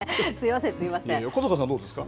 小坂さんはどうですか。